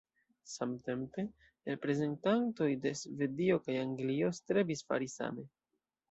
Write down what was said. Samtempe, reprezentantoj de Svedio kaj Anglio strebis fari same.